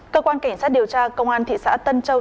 cơ quan cảnh sát điều tra công an thị xã tân châu